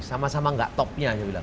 sama sama enggak topnya